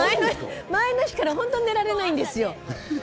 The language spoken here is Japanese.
前の日からほんとに寝られないんですよ。